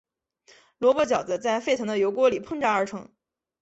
萝卜饺子在沸腾的油锅里烹炸而成。